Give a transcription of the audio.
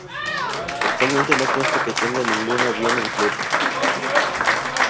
Actualmente no consta que tenga ningún avión en flota.